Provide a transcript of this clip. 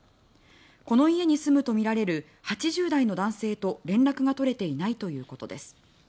この家に住むとみられる８０代の男性と連絡が取れていないということです。